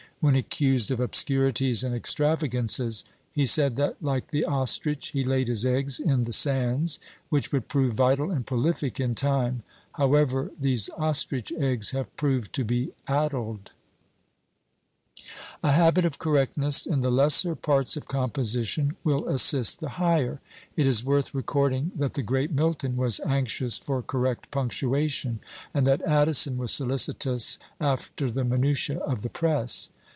When accused of obscurities and extravagances, he said that, like the ostrich, he laid his eggs in the sands, which would prove vital and prolific in time; however, these ostrich eggs have proved to be addled. A habit of correctness in the lesser parts of composition will assist the higher. It is worth recording that the great Milton was anxious for correct punctuation, and that Addison was solicitous after the minutiÃḊ of the press.